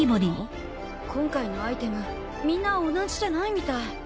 今回のアイテムみんな同じじゃないみたい。